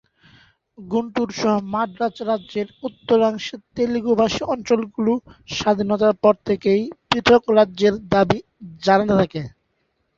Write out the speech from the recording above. গুন্টুর সহ মাদ্রাজ রাজ্যের উত্তরাংশের তেলুগু-ভাষী অঞ্চলগুলি স্বাধীনতার পর থেকেই পৃথক রাজ্যের দাবি জানাতে থাকে।